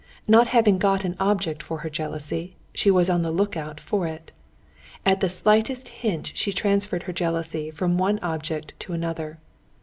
Not having got an object for her jealousy, she was on the lookout for it. At the slightest hint she transferred her jealousy from one object to another.